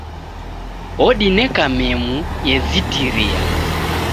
Odineka memu yezitiria